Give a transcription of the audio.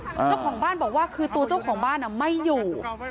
เจ้าของบ้านบอกว่าคือตัวเจ้าของบ้านไม่อยู่